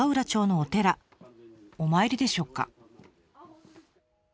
お参りでしょうか？